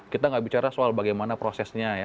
kita nggak bicara soal bagaimana prosesnya ya